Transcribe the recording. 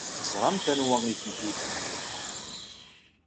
Teẓramt anwa ay tent-ilan.